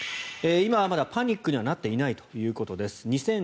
今はまだパニックにはなっていないということです。